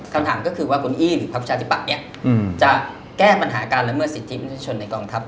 คำถามก็คือว่าคุณอี้หรือพักประชาธิปัตย์เนี่ยจะแก้ปัญหาการละเมิดสิทธิมนุษยชนในกองทัพ